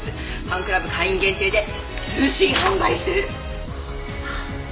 ファンクラブ会員限定で通信販売してる！